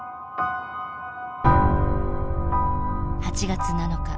８月７日